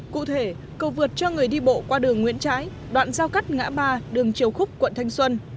cụ thể cầu vượt cho người đi bộ qua đường nguyễn trãi đoạn giao cắt ngã ba đường triều khúc quận thanh xuân